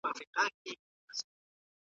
اورېدل د لنډ مهاله معلوماتو.